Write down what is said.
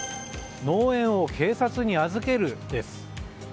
農園を警察に預ける、です。